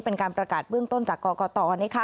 เป็นการประกาศเบื้องต้นจากกรกต